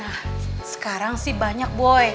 nah sekarang sih banyak boy